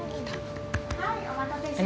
はい、お待たせしました。